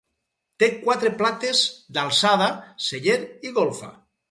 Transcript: Té quatre plates d'alçada, celler i golfa.